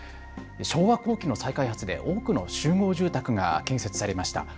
昭和後期の再開発で多くの集合住宅が建設されました。